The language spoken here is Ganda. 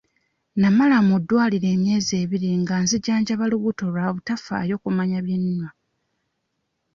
Namala mu ddwaliro emyezi ebiri nga nzijanjaba lubuto lwa butafaayo kumanya bye nnywa.